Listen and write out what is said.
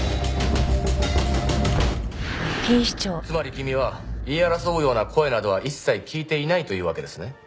つまり君は言い争うような声などは一切聞いていないというわけですね？